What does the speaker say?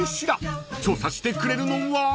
［調査してくれるのは］